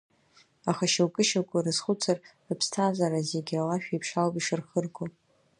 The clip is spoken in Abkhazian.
Аха шьоукы-шьоукы урызхәыцыр, рыԥсҭазаара зегьы алашә иеиԥш ауп ишырхырго.